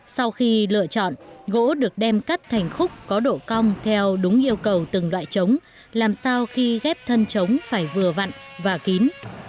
sau khi lựa chọn gỗ được đem cắt thành khúc có độ cong theo đúng yêu cầu từng loại trống làm sao khi ghép thân trống phải vừa vặn và kín